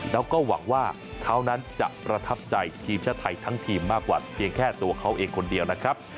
แล้วก็หวังว่าเขานั้นจะประทับใจทีมชาติไทยทั้งทีมมากกว่าเพียงแค่ตัวเขาเองคนเดียวนะครับ